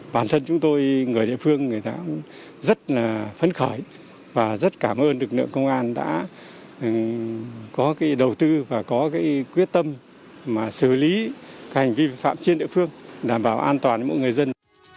bản thân chúng tôi người địa phương rất là phấn khởi và rất cảm ơn lực lượng công an đã có cái đầu tư và có cái quyết tâm mà xử lý cái hành vi phạm trên địa phương đảm bảo an toàn mỗi người dân